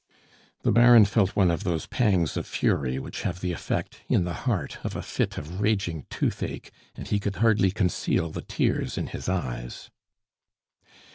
The Baron felt one of those pangs of fury which have the effect, in the heart, of a fit of raging toothache, and he could hardly conceal the tears in his eyes.